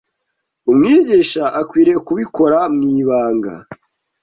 umwigisha akwiriye kubikora mu ibanga